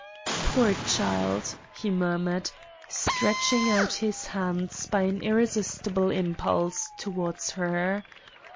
"Poor child!" he murmured, stretching out his hands by an irresistible impulse towards her.